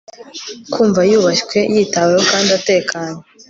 kumva yubashywe, yitaweho kandi atekanye